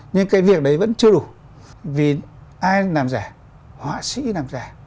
nhưng cái việc đấy vẫn chưa đủ vì ai làm giả họa sĩ làm giả